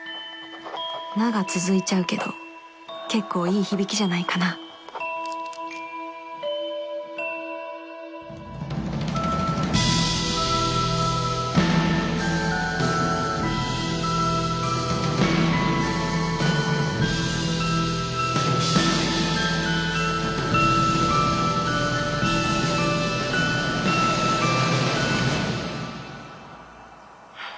「な」が続いちゃうけど結構いい響きじゃないかなはあ